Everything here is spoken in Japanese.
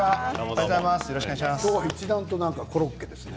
今日は一段とコロッケですね。